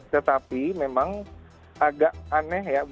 tetapi memang agak aneh ya